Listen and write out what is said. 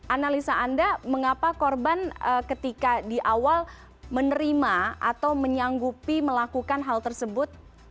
analisa anda mengapa korban ketika di awal menerima atau menyanggupi melakukan hal tersebut